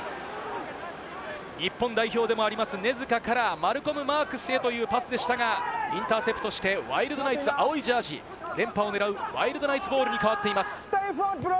日本代表でもある、根塚からマルコム・マークスへというパスでしたが、インターセプトして、ワイルドナイツ、青いジャージー、連覇を狙うワイルドナイツボールに代わっています。